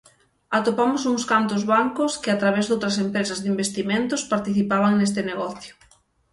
Atopamos uns cantos bancos que a través doutras empresas de investimentos participaban neste negocio.